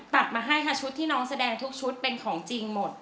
ตัดมาให้ค่ะชุดที่น้องแสดงทุกชุดเป็นของจริงหมด